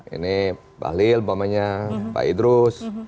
ini pak liel pak idrus